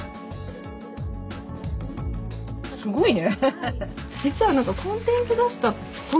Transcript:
すごいね。